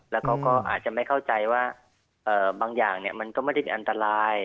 แล้วเขาก็อาจจะไม่เข้าใจว่าบางอย่างมันก็ไม่ได้เป็นอันตราย